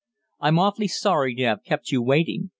"I'm awfully sorry to have kept you waiting.